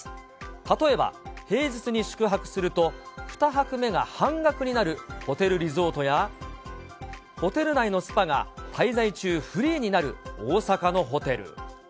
例えば、平日に宿泊すると、２泊目が半額になるホテルリゾートや、ホテル内のスパが滞在中、フリーになる大阪のホテル。